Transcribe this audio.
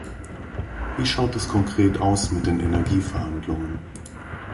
Wie schaut es konkret aus mit den Energieverhandlungen?